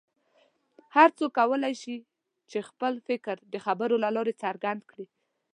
هر څوک کولی شي چې خپل فکر د خبرو له لارې څرګند کړي.